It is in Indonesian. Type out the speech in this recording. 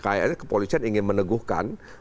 kayaknya kepolisian ingin meneguhkan